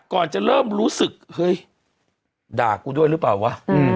ก่อนจะเริ่มรู้สึกเฮ้ยด่ากูด้วยหรือเปล่าวะ